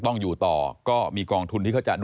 พบหน้าลูกแบบเป็นร่างไร้วิญญาณ